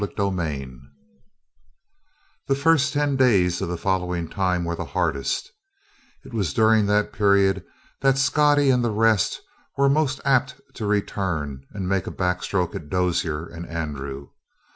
CHAPTER 41 The first ten days of the following time were the hardest; it was during that period that Scottie and the rest were most apt to return and make a backstroke at Dozier and Andrew.